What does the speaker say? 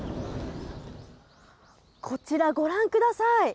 こちら、ご覧ください！